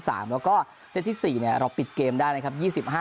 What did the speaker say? แล้วก็เซตที่๔เราปิดเกมได้นะครับ